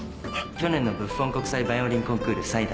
去年のブッフォン国際バイオリンコンクール３位だった。